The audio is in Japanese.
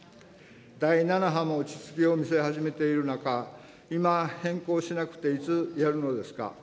第７波も落ち着きを見せ始めている中、今、変更しなくていつやるのですか。